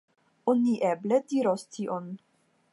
Oni eble diros tion.